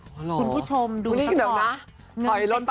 คุณผู้ชมดูซะก่อน